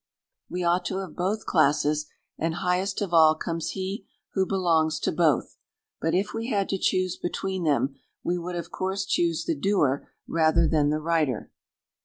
We ought to have both classes, and highest of all comes he who belongs to both; but if we had to choose between them, we would of course choose the doer rather than the writer.